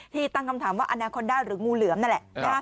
ตั้งคำถามว่าอนาคอนด้าหรืองูเหลือมนั่นแหละ